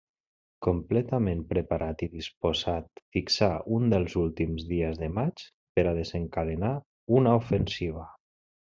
Completament preparat i disposat, fixà un dels últims dies de maig per desencadenar una ofensiva.